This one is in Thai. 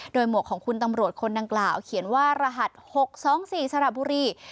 โดยหมวกของคุณตำรวจคนดังกล่าวเขียนว่ารหัส๖๒๔สระบุรี